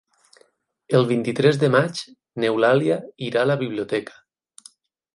El vint-i-tres de maig n'Eulàlia irà a la biblioteca.